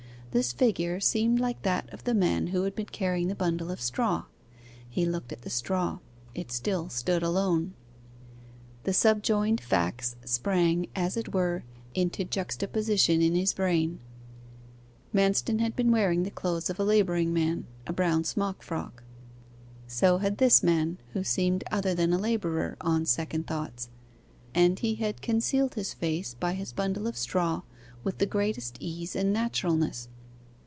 This figure seemed like that of the man who had been carrying the bundle of straw. He looked at the straw: it still stood alone. The subjoined facts sprang, as it were, into juxtaposition in his brain: Manston had been seen wearing the clothes of a labouring man a brown smock frock. So had this man, who seemed other than a labourer, on second thoughts: and he had concealed his face by his bundle of straw with the greatest ease and naturalness.